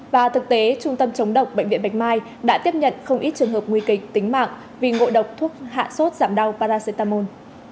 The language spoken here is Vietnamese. và thực tế trung tâm chống độc bệnh viện bạch mai đã tiếp nhận không ít trường hợp nguy kịch tính mạng vì ngộ độc hạ sốt giảm đau paracetamol